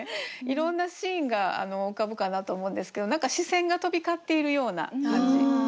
いろんなシーンが浮かぶかなと思うんですけど何か視線が飛び交っているような感じ。